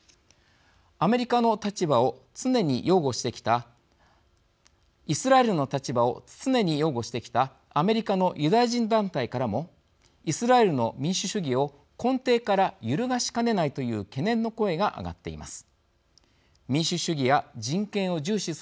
アメリカの立場をイスラエルの立場を常に擁護してきたアメリカのユダヤ人団体からもイスラエルの民主主義を根底から揺るがしかねないという懸念の声が上がっています。